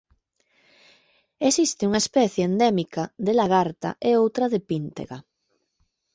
Existe unha especie endémica de lagarta e outra de píntega.